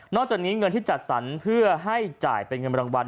จากนี้เงินที่จัดสรรเพื่อให้จ่ายเป็นเงินรางวัล